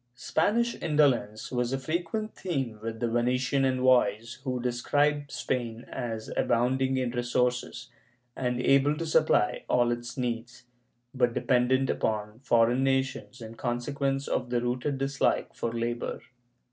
^ Spanish indolence was a frequent theme with the Venetian envoys who describe Spain as abounding in resources, and able to supply all its needs, but dependent upon foreign nations in consequence of the rooted dislike for labor.